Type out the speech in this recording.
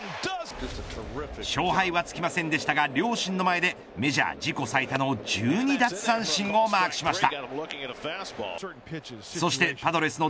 勝敗はつきませんでしたが両親の前でメジャー自己最多の１２奪三振をマークしました。